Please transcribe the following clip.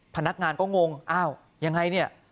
พนักงานก็งงอ้าวยังไงเนี่ย